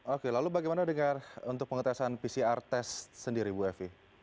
oke lalu bagaimana dengan untuk pengetesan pcr test sendiri bu evi